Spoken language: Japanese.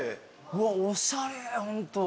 うわっおしゃれホント。